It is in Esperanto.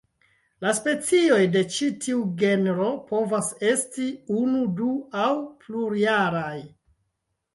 La specioj de ĉi tiu genro povas esti unu, du- aŭ plurjaraj.